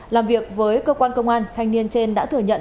làm việc với cơ quan công an thanh niên trên đã thừa nhận